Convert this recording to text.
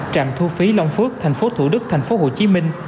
trạm thu phí long phước thành phố thủ đức thành phố hồ chí minh